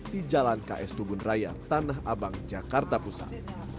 di jalan ks tubun raya tanah abang jakarta pusat